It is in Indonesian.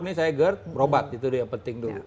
ini saya gerd berobat itu dia penting dulu